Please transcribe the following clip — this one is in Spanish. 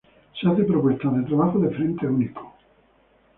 Se hace propuesta de trabajo de frente único.